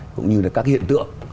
cũng như là các hiện tượng